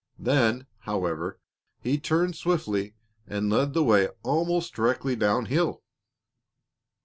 Then, however, he turned swiftly and led the way almost directly downhill.